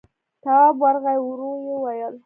تواب ورغی، ورو يې وويل: